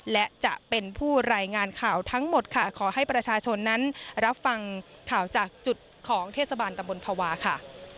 และจะเป็นผู้รายงานข่าวทั้งหมดค่ะขอให้ประชาชนนั้นรับฟังข่าวจากจุดของเทศบาลตำบลภาวะค่ะ